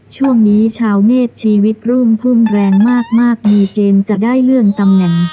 ช่วงนี้ชาวเนธชีวิตรุ่มพุ่มแรงมากมีเกณฑ์จะได้เลื่อนตำแหน่ง